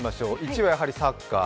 １位はやはりサッカー。